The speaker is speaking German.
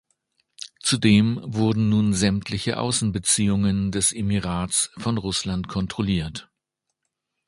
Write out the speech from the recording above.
Zudem wurden nun sämtliche Außenbeziehungen des Emirats von Russland kontrolliert.